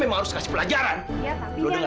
son mampus dalamai ketentuan mereka